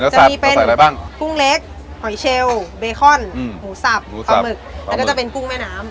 จะมีเป็นอะไรบ้างกุ้งเล็กหอยเชลเบคอนหมูสับปลาหมึกแล้วก็จะเป็นกุ้งแม่น้ำ